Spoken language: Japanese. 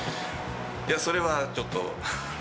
いや、それはちょっと。